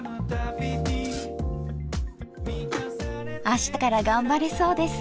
あしたから頑張れそうです。